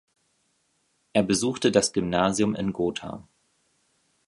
Er besuchte das Gymnasium in Gotha.